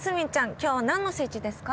今日は何のスイッチですか？